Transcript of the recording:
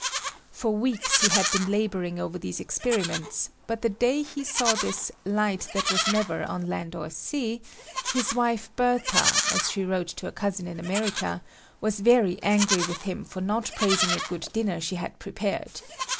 For weeks he had been laboring over these experiments, but the day he saw this "light that was never on land or sea" his wife Bertha, as she wrote to a cousin in America, was very angry with him for not praising a good dinner she had prepared.